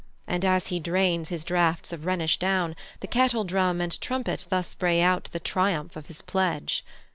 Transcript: And, as he drains his draughts of Rhenish down, The kettledrum and trumpet thus bray out The triumph of his pledge."